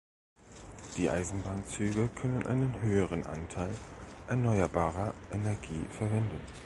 Die Eisenbahnzüge können einen höheren Anteil erneuerbarer Energie verwenden.